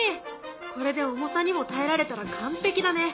これで重さにも耐えられたら完璧だね。